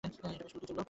এটা বেশ দ্রুতই ঘটল!